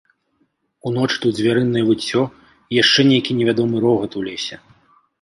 Уночы тут звярынае выццё і яшчэ нейкі невядомы рогат у лесе.